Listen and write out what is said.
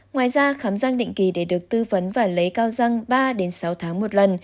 ngoài ra khám giang định kỳ để được tư vấn và lấy cao răng ba sáu tháng một lần